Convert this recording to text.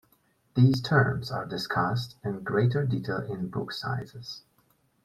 These terms are discussed in greater detail in book sizes.